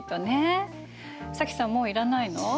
早紀さんもういらないの？